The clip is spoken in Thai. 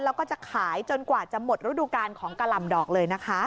แล้วก็จะขายจนกว่าจะหมดฤดูการของกะหล่ำดอกเลยนะคะ